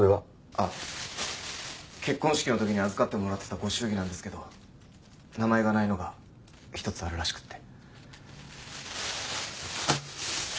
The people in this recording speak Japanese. あっ結婚式の時に預かってもらってたご祝儀なんですけど名前がないのが１つあるらしくて。